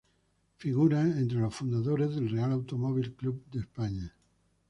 Figura entre los fundadores del Real Automóvil Club de España.